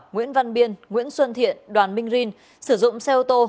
nguyễn văn biên nguyễn xuân thiện đoàn minh rin sử dụng xe ô tô